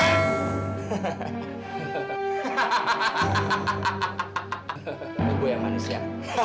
itu gue yang manis ya